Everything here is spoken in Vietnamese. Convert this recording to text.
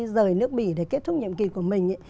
rời nước bỉ để kết thúc nhiệm kỳ của mình